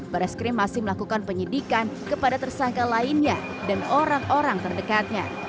baris krim masih melakukan penyidikan kepada tersangka lainnya dan orang orang terdekatnya